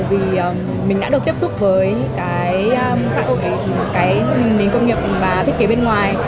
vì mình đã được tiếp xúc với những cái sản phẩm những cái nền công nghiệp và thiết kế bên ngoài